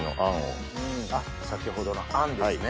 先ほどのあんですね。